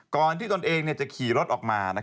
ก่อนที่ตนเองจะขี่รถออกมา